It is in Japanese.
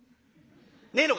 「ねえのか？」。